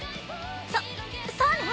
そそうね。